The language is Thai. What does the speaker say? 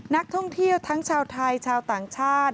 นักท่องเที่ยวทั้งชาวไทยชาวต่างชาติ